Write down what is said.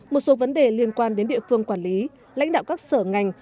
một số vấn đề liên quan đến địa phương quản lý lãnh đạo các sở ngành